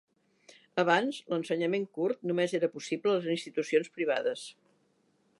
Abans, l'ensenyament kurd només era possible a les institucions privades.